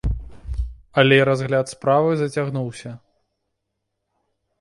Але разгляд справы зацягнуўся.